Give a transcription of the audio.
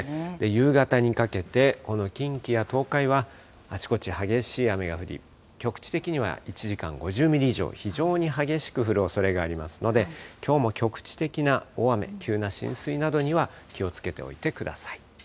夕方にかけて、この近畿や東海はあちこち激しい雨が降り、局地的には１時間５０ミリ以上、非常に激しく降るおそれがありますので、きょうも局地的な大雨、急な浸水などには気をつけておいてください。